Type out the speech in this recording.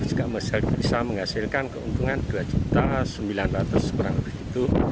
juga bisa menghasilkan keuntungan dua sembilan ratus kurang begitu